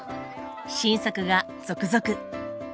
新作が続々！